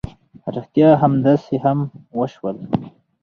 ريښتيا همداسې هم وشول.